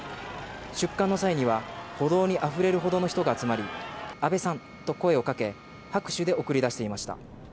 出棺の際には歩道にあふれるほどの人が集まり、安倍さんと声をかけ、拍手で送り出していました。